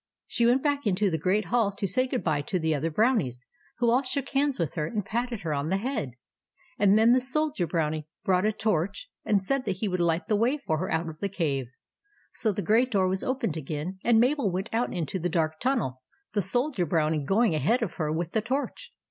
" She went back into the Great Hall to say good bye to the other Brownies, who all shook hands with her and patted her on the head; and then the Soldier Brownie brought a torch, and said that he would light the way for her out of the cave. So the great door was opened again, and Mabel went out into the dark tunnel, the Soldier Brownie going ahead of her with the torch.